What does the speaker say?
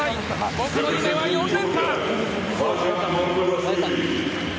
僕の夢は４連覇。